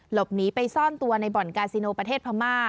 หลบหนีไปซ่อนตัวในบ่อนกาซิโนประเทศพม่า